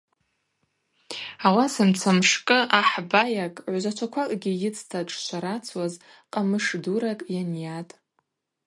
Ауасамца мшкӏы ахӏ байакӏ гӏвзачваквакӏгьи йыцта дшшварацуаз къамыш дуракӏ йанйатӏ.